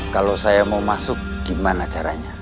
kalau saya mau masuk gimana caranya